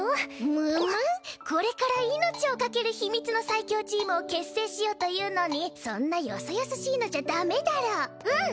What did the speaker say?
むむっ命を懸ける秘密の最強チームを結成しようというのにそんなよそよそしいのじゃダメだろうん。